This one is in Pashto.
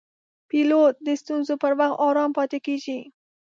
پیلوټ د ستونزو پر وخت آرام پاتې کېږي.